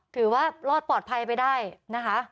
ถือว่ารอดปลอดภัยไปได้นะคะ